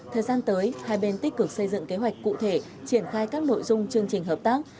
thời gian tới hai bên tích cực xây dựng kế hoạch cụ thể triển khai các nội dung chương trình hợp tác